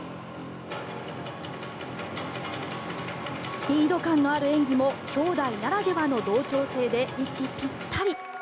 スピード感のある演技も姉弟ならではの同調性で息ぴったり。